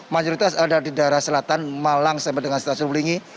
mayoritas ada di daerah selatan malang sampai dengan stasiun belingi